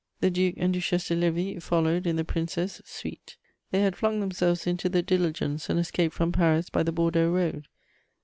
The Duc and Duchesse de Lévis followed in the Princess' suite: they had flung themselves into the diligence and escaped from Paris by the Bordeaux road.